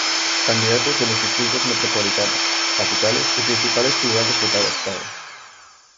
Candidatos de los distritos metropolitanos, capitales y principales ciudades de cada estado.